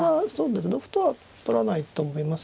同歩とは取らないと思います。